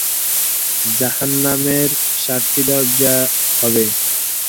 জাহান্নামের সাতটি দরজা হবে।